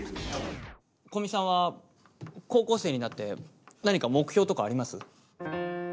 古見さんは高校生になって何か目標とかあります？